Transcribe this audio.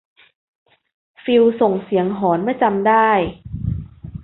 ฟิลส่งเสียงหอนเมื่อจำได้